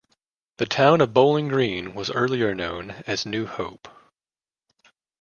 The town of Bowling Green was earlier known as New Hope.